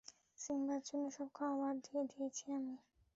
সিম্বার জন্য সব খাওয়া বাদ দিয়েছি আমি।